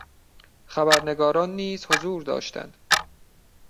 خبرنگاران نیز حضور داشتند.